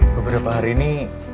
beberapa hari ini